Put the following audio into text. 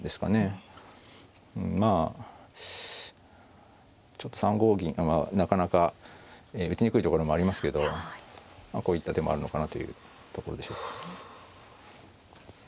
まあちょっと３五銀はなかなか打ちにくいところもありますけどこういった手もあるのかなというところでしょう。